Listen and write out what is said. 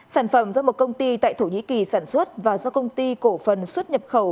sản phẩm do một công ty tại thổ nhĩ kỳ sản xuất và do công ty cổ phần xuất nhập khẩu